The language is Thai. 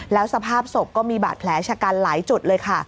แล้วสภาพศพก็มีบาดแผลชะกันหลายจุดเลยค่ะ